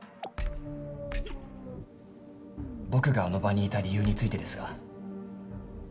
僕があの場にいた理由についてですが。